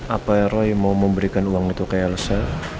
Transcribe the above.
apa roy mau memberikan uang itu ke elsa